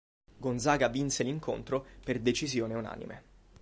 Gonzaga vinse l'incontro per decisione unanime.